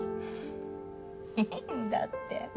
いいんだって。